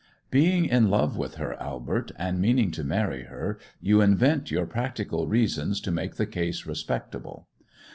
'Being in love with her, Albert, and meaning to marry her, you invent your practical reasons to make the case respectable.